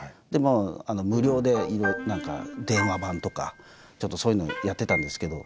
無料で何か電話番とかちょっとそういうのをやってたんですけど。